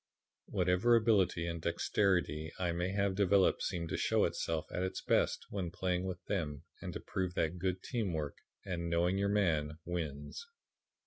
Whatever ability and dexterity I may have developed seemed to show itself at its best when playing with them and to prove that good team work and 'knowing your man' wins.